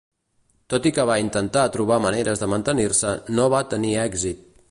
Tot i que va intentar trobar maneres de mantenir-se, no van tenir èxit.